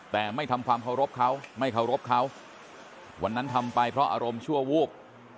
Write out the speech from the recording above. แต่ไม่ทำความเคารพเขาไม่เคารพเขาวันนั้นทำไปเพราะอารมณ์ชั่ววูบ